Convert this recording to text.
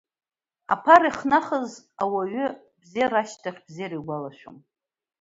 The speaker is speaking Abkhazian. Аԥара ихнахыз ауаҩы бзера ашьҭахь бзера игәалашәом.